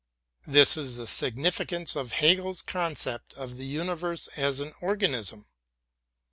This is the significance of Hegel's conception of the uni verse as an organism.